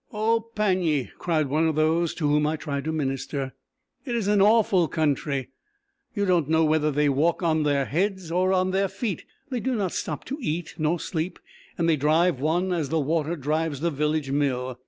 "O! panye," cried one of those to whom I tried to minister: "it is an awful country! You don't know whether they walk on their heads or on their feet; they do not stop to eat nor sleep, and they drive one as the water drives the village mill.